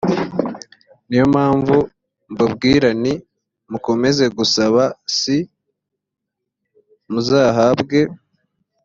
ni yo mpamvu mbabwira nti mukomeze gusaba c muzahabwa